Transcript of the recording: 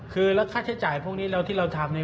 คือแล้วค่าใช้จ่ายพวกนี้ที่เราทำเนี่ย